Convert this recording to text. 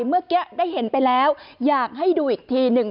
เมื่อกี้ได้เห็นไปแล้วอยากให้ดูอีกทีหนึ่ง